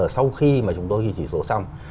sau khi mà chúng tôi chỉ số xong